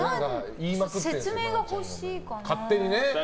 説明が欲しいかな。